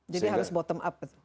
jadi harus bottom up